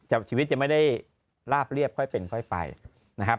ชีวิตจะไม่ได้ลาบเรียบค่อยเป็นค่อยไปนะครับ